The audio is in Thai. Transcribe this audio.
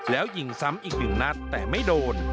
แล้วยิงซ้ำอีกหนึ่งนัดแต่ไม่โดน